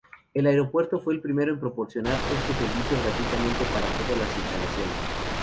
El aeropuerto fue el primero en proporcionar este servicio gratuitamente para todas las instalaciones.